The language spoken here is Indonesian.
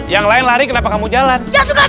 yang lain lari kenapa kamu jalan